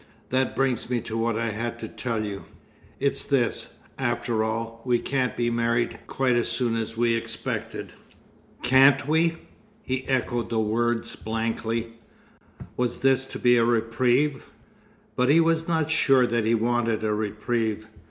"That brings me to what I had to tell you. It's this: after all, we can't be married quite as soon as we expected." "Can't we?" he echoed the words blankly. Was this to be a reprieve? But he was not sure that he wanted a reprieve.